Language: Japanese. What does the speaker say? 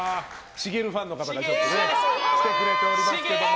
しげるファンの方が来てくれておりますけども。